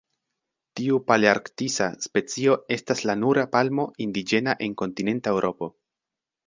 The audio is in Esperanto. Tiu palearktisa specio estas la nura palmo indiĝena en kontinenta Eŭropo.